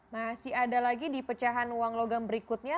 masih ada lagi di pecahan uang logam berikutnya